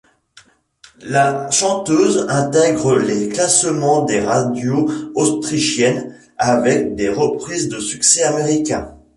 La chanteuse intègre les classements des radios autrichiennes avec des reprises de succès américains.